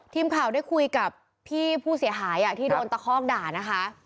ทีมข่าวได้คุยกับพี่ผู้เสียหายที่โดนตะคอกด่านะคะ